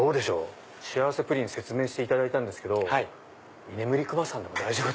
幸せプリン説明していただいたんですけどいねむりくまさんでも大丈夫？